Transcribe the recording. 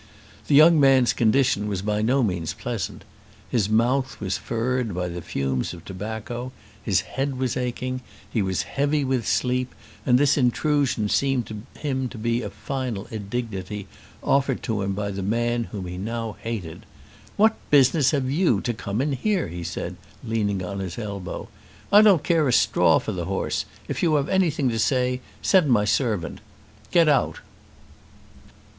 The young man's condition was by no means pleasant. His mouth was furred by the fumes of tobacco. His head was aching. He was heavy with sleep, and this intrusion seemed to him to be a final indignity offered to him by the man whom he now hated. "What business have you to come in here?" he said, leaning on his elbow. "I don't care a straw for the horse. If you have anything to say send my servant. Get out!"